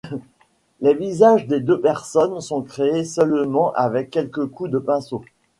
Les visages des deux personnes sont créés seulement avec quelques coups de pinceau.